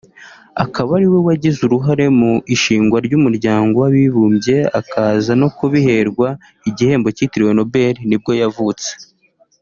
akaba ariwe wagize uruhare mu ishingwa ry’umuryango w’abibumbye akaza no kubiherwa igihembo cyitiriwe Nobel nibwo yavutse